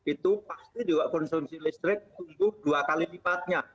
itu pasti juga konsumsi listrik tumbuh dua kali lipatnya